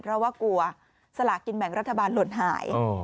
เพราะว่ากลัวสลากินแบ่งรัฐบาลหล่นหาย